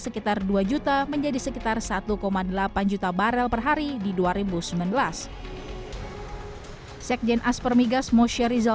sekitar dua juta menjadi sekitar satu delapan juta barel per hari di dua ribu sembilan belas sekjen aspermigas mosha rizal